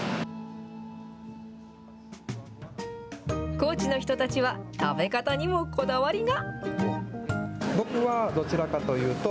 高知の人たちは、食べ方にもこだわりが。